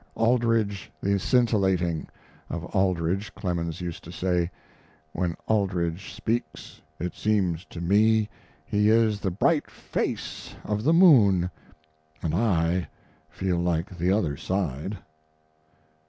Aldrich the scintillating [ Of Aldrich Clemens used to say: "When Aldrich speaks it seems to me he is the bright face of the moon, and I feel like the other side."